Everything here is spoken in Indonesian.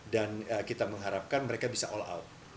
dan kita mengharapkan mereka bisa all out